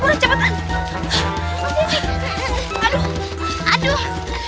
oh ya allah